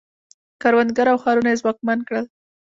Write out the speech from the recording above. کروندګر او ښارونه یې ځواکمن کړل